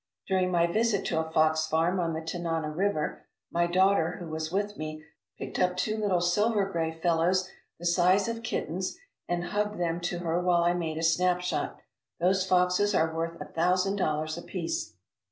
During my visit to a fox farm on the Tanana River my daughter, who was with me, picked up two little silver gray fellows the size of kittens and hugged them to her while I made a snapshot. Those foxes were worth a thousand dollars apiece.